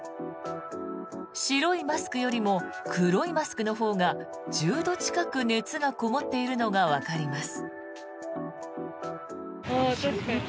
白いマスクよりも黒いマスクのほうが１０度近く熱がこもっているのがわかります。